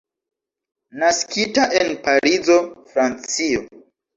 Naskita en Parizo, Francio.